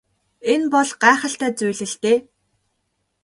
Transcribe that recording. Энэ бол гайхалтай зүйл л дээ.